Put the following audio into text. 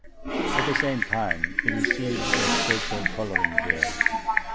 At the same time it received a special coloring there.